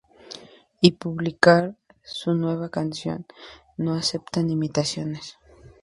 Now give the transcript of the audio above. Y publicar su nueva canción "No aceptan imitaciones".